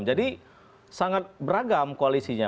jadi sangat beragam koalisinya